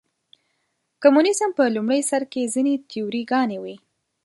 کمونیزم په لومړي سر کې ځینې تیوري ګانې وې.